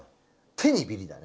手にビリッだね。